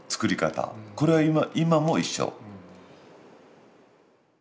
これは今も一緒。